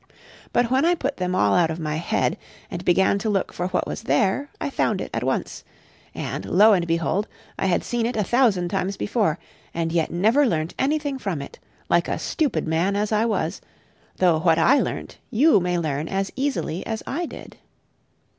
But when I put them all out of my head, and began to look for what was there, I found it at once; and lo and behold! I had seen it a thousand times before, and yet never learnt anything from it, like a stupid man as I was; though what I learnt you may learn as easily as I did.